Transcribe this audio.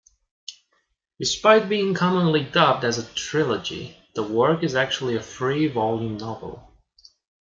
Despite being commonly dubbed as a trilogy, the work is actually a three-volume novel.